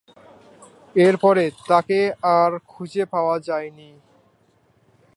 এরপর তাকে আর খুঁজে পাওয়া যায়নি।